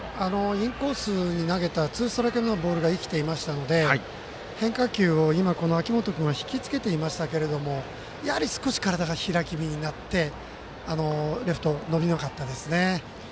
インコースに投げたツーストライク目のボールが生きてましたので変化球を今、秋元君は引きつけていましたけどやはり、少し体が開き気味になってレフト、伸びなかったですね。